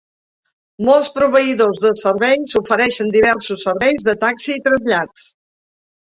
Molts proveïdors de serveis ofereixen diversos serveis de taxi i trasllats.